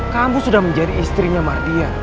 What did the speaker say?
kamu sudah menjadi istrinya mardian